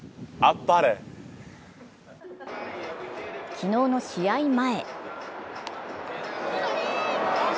昨日の試合前。